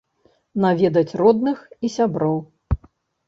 Наведаць родных і сяброў.